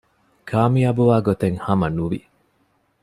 ކާމިޔާބުވާގޮތެއް ހަމަ ނުވި